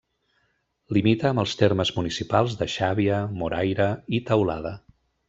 Limita amb els termes municipals de Xàbia, Moraira i Teulada.